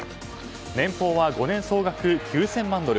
年俸は５年総額９０００万ドル